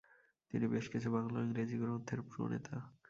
তিনি বেশ কিছু বাংলা ও ইংরেজি গ্রন্থের প্রণেতা।